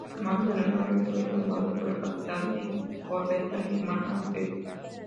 El mando de la nave fue tomado por el capitán de corbeta Germán Astete.